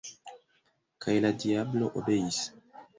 » kaj la diablo obeis.